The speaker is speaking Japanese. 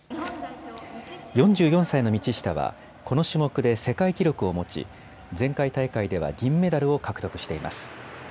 ４４歳の道下は、この種目で世界記録を持ち前回大会では銀メダルを獲得しています。